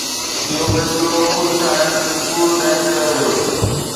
اهو فيصلو خود ٺاهيل اصول تحت ڪيو ويو